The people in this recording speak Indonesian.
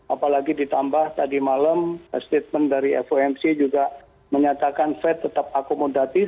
apalagi ditambah tadi malam statement dari fomc juga menyatakan fed tetap akomodatif